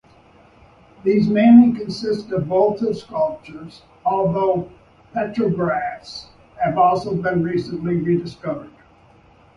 These mainly consist of votive sculptures, although petroglyphs have also been recently rediscovered.